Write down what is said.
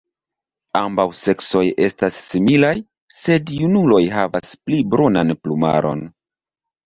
Ambaŭ seksoj estas similaj, sed junuloj havas pli brunan plumaron.